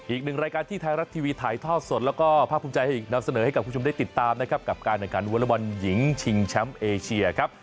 อีกหนึ่งรายการที่ไทยรัฐทีวีถ่ายทอดสดแล้วก็ภาพภูมิใจให้นำเสนอให้กับคุณผู้ชมได้ติดตามนะครับกับการแข่งขันวอลบอลหญิงชิงแชมป์เอเชียครับ